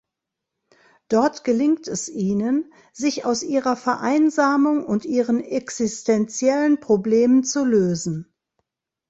Dort gelingt es ihnen, sich aus ihrer Vereinsamung und ihren existentiellen Problemen zu lösen.